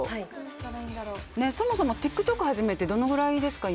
そもそもＴｉｋＴｏｋ始めてどれくらいですか、今。